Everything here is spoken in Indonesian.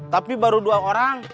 tapi baru dua orang